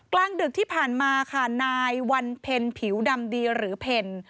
กลางดึกที่ผ่านมาค่ะนายวันเพ็ญผิวดำดีหรือเพล